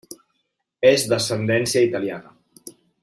És d'ascendència italiana.